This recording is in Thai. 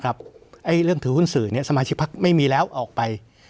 นะครับไอ้เรื่องถือหุ้นสื่อเนี้ยสมาชิกภักดิ์ไม่มีแล้วออกไป